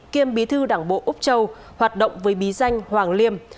kiêm bí thư đảng bộ úc châu hoạt động với bí danh hoàng liêm